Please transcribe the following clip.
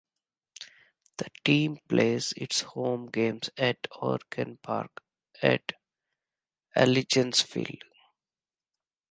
The team plays its home games at Ogren Park at Allegiance Field.